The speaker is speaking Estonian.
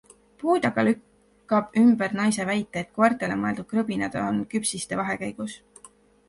Pood aga lükkab ümber naise väite, et koertele mõeldud krõbinad on küpsiste vahekäigus.